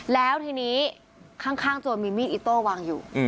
แล้วทีนี้ข้างโจรมีมีดอิโต้วางอยู่